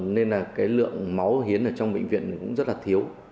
nên là cái lượng máu hiến ở trong bệnh viện cũng rất là thiếu